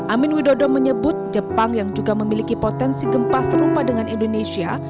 amin widodo menyebut jepang yang juga memiliki potensi gempa serupa dengan indonesia